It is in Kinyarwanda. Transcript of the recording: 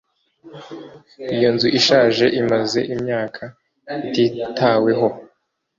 Iyo nzu ishaje imaze imyaka ititaweho